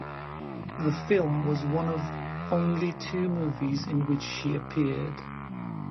The film was one of only two movies in which she appeared.